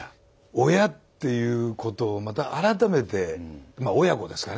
親っていうことをまた改めてまあ親子ですかね。